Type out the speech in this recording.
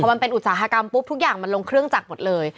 มันเป็นอุตสาหกรรมปุ๊บทุกอย่างมันลงเครื่องจักรหมดเลย